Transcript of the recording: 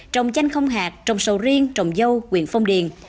trồng chanh không hạt trồng sầu riêng trồng dâu quyện phong điền